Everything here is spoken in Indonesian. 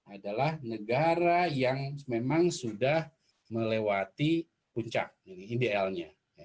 adalah negara yang memang sudah melewati puncak ini idealnya